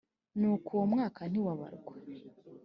Nuko uwo mwaka ntiwabarwa